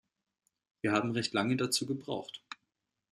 Wir haben recht lange dazu gebraucht.